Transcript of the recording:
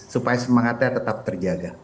supaya semangatnya tetap terjaga